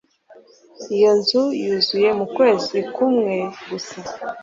iyo nzu yuzuye mu kwezi kmwe gusa